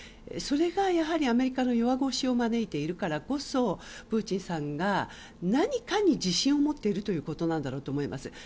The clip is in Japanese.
それが、やはりアメリカの弱腰を招いているからこそプーチンさんが何かに自信を持っていることなんだろうと思います。